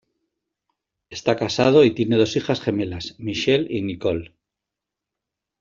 Está casado y tiene dos hijas gemelas, Michelle y Nicole.